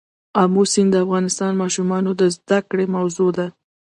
آمو سیند د افغان ماشومانو د زده کړې موضوع ده.